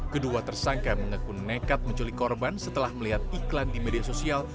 kedua tersangka mengaku nekat menculik korban setelah melihat iklan di media sosial